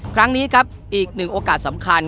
ครั้งนี้ครับอีกหนึ่งโอกาสสำคัญ